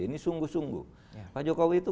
ini sungguh sungguh pak jokowi itu